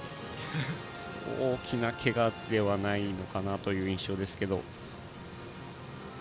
大きなけがではないのかなという印象ですけど。